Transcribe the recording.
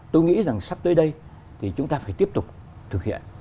tôi nghĩ rằng sắp tới đây thì chúng ta phải tiếp tục thực hiện